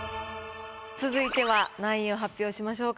続いては何位を発表しましょうか？